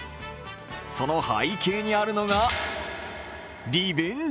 その背景にあるのがリベンジ